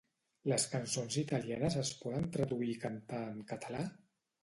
Les cançons italianes es poden traduir i cantar en català?